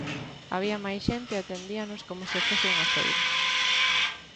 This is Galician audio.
Había máis xente e atendíanos como se fose unha feira.